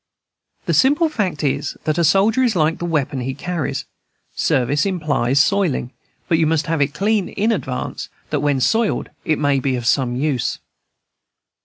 The simple fact is, that a soldier is like the weapon he carries; service implies soiling, but you must have it clean in advance, that when soiled it may be of some use.